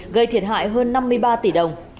gây thiệt hại hơn năm mươi ba tỷ đồng